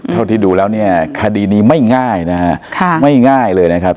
เท่าที่ดูแล้วเนี่ยคดีนี้ไม่ง่ายนะฮะค่ะไม่ง่ายเลยนะครับ